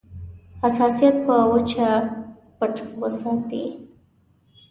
حساسیت په وجه پټ وساتي.